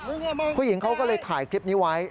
ผู้หญิงเขาก็เลยถ่ายคลิปนี้ไว้